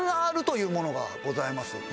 ３Ｒというものがございます。